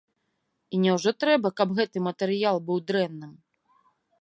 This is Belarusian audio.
І няўжо трэба, каб гэты матэрыял быў дрэнным?